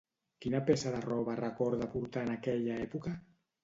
Quina peça de roba recorda portar en aquella època?